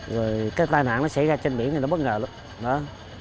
rồi cái tai nạn nó xảy ra trên biển thì nó bất ngờ lắm